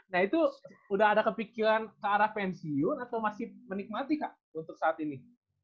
nah itu udah ada kepikiran ke arah pensiun atau masih menikmati kak untuk saat ini